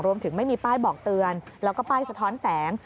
ไม่มีป้ายบอกเตือนแล้วก็ป้ายสะท้อนแสง